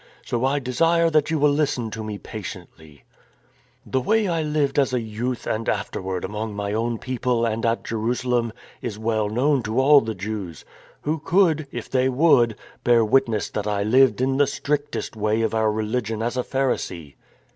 So I desire that you will listen to me patiently, " Jht way I lived as a youth and afterward among 314 STORM AND STRESS my own people and at Jerusalem is well known to all the Jews, who could, if they would, bear witness that I lived in the strictest way of our religion as a Pharisee.